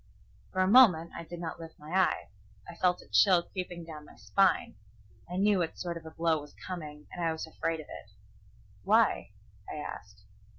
For a moment I did not lift my eyes. I felt a chill creeping down my spine. I knew what sort of a blow was coming, and I was afraid of it. "Why?" I asked.